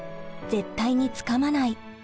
絶対につかまない。